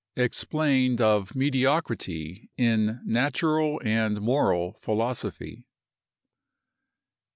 EXPLAINED OF MEDIOCRITY IN NATURAL AND MORAL PHILOSOPHY.